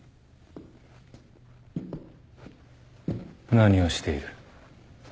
何をしている？